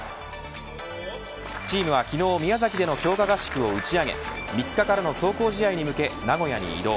チームは昨日、宮崎での強化合宿を打ち上げ３日からの壮行試合に向け名古屋に移動。